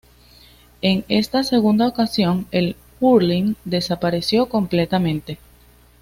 En esta segunda ocasión, el hurling desapareció completamente.